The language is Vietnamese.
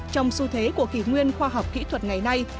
trong xu thế của kỷ nguyên khoa học kỹ thuật ngày nay